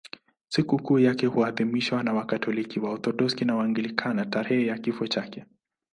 Sikukuu yake huadhimishwa na Wakatoliki, Waorthodoksi na Waanglikana tarehe ya kifo chake.